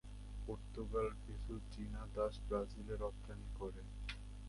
Portugal কিছু চীনা দাস ব্রাজিলে রপ্তানি করে।